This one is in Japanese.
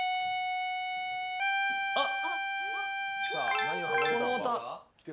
・あっ。